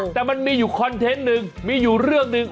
แต่มันมีอยู่คอนเทนต์หนึ่งมีอยู่เรื่องหนึ่ง